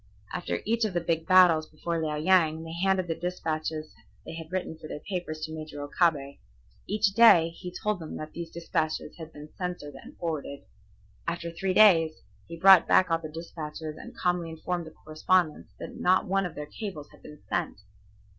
After each of the big battles before Liao Yang they handed the despatches they had written for their papers to Major Okabe. Each day he told them these despatches had been censored and forwarded. After three days he brought back all the despatches and calmly informed the correspondents that not one of their cables had been sent.